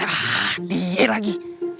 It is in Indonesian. hah die lagi